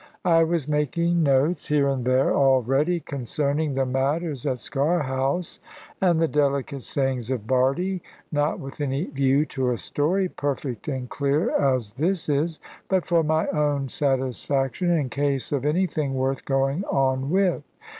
I was making notes, here and there, already, concerning the matters at Sker House, and the delicate sayings of Bardie, not with any view to a story perfect and clear as this is, but for my own satisfaction in case of anything worth going on with.